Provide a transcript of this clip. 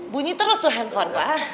bunyi terus tuh handphone pak